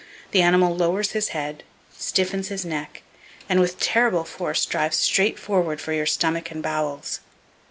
The animal lowers his head, stiffens his neck and with terrible force drives straight forward for your stomach and bowels.